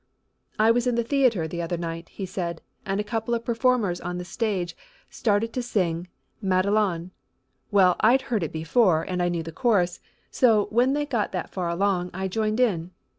"I was in the theater the other night," he said, "and a couple of performers on the stage started to sing 'Madelon.' Well, I'd heard it before and I knew the chorus, so when they got that far along I joined in.